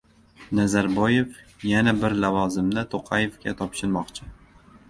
Nazarboyev yana bir lavozimni To‘qayevga topshirmoqchi